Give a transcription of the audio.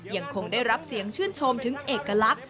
ยังคงได้รับเสียงชื่นชมถึงเอกลักษณ์